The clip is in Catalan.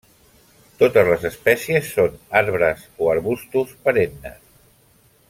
Totes les espècies són arbres o arbustos perennes.